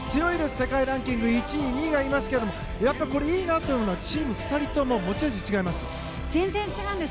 世界ランキング１位２位がいますがやっぱり、いいなと思うのはチーム、２人とも持ち味違います。